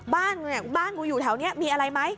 บ้านกูอยู่แถวนี้มีอะไรไหม